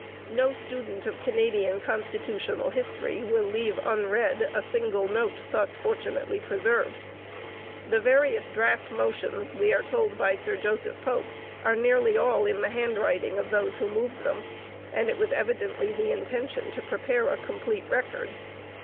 No student of Canadian constitutional history will leave unread a single note thus fortunately preserved. The various draft motions, we are told by Sir Joseph Pope, are nearly all in the handwriting of those who moved them, and it was evidently the intention to prepare a complete record.